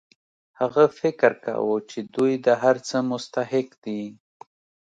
هغه فکر کاوه چې دوی د هر څه مستحق دي